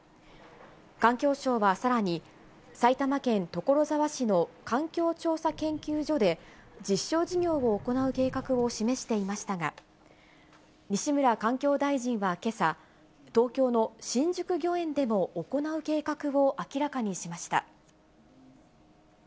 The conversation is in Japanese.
環境省はさらに、埼玉県所沢市の環境調査けんきゅう所で実証事業を行う計画を示していましたが、西村環境大臣はけさ、東京の新宿御苑でも行う計画を明らかにしました。